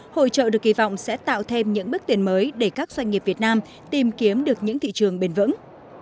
hội trợ được kỳ vọng sẽ tạo thêm những bước tiền mới để các doanh nghiệp việt nam tìm kiếm được những thị trường bền vững